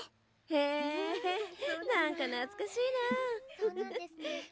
へえ何か懐かしいな。